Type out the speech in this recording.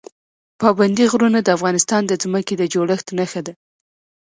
پابندی غرونه د افغانستان د ځمکې د جوړښت نښه ده.